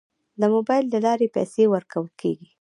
د موبایل له لارې پیسې ورکول کیږي.